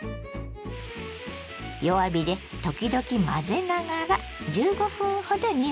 弱火で時々混ぜながら１５分ほど煮ましょ。